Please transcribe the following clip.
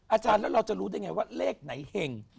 อาจารย์แล้วเราจะรู้ได้ไงว่าเลขไหนเห็ง